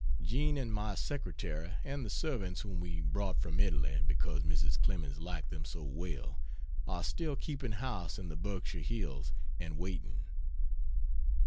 Jean and my secretary and the servants whom we brought from Italy because Mrs. Clemens liked them so well, are still keeping house in the Berkshire hills and waiting.